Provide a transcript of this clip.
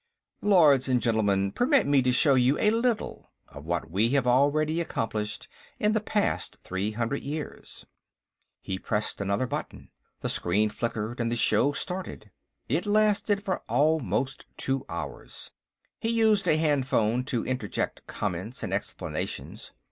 "Lords and Gentlemen, permit me to show you a little of what we have already accomplished, in the past three hundred years." He pressed another button. The screen flickered, and the show started. It lasted for almost two hours; he used a handphone to interject comments and explanations.